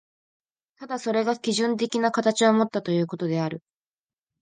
ただそれが基準的な形をもったということである。